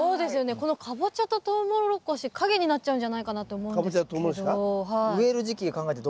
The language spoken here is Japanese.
このカボチャとトウモロコシ陰になっちゃうんじゃないかなって思うんですけど。